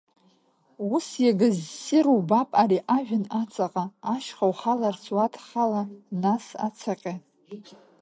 Ус иага ссир убап ари ажәҩан аҵаҟа, ашьха ухаларц уадхала, нас, ацаҟьа!